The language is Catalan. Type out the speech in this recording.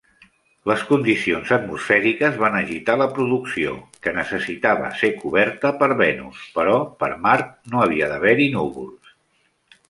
Les condicions atmosfèriques van agitar la producció, que necessitava ser coberta per Venus, però per Mart no havia d'haver-hi núvols.